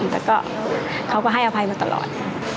แต่ก็เขาก็ให้อภัยมาตลอด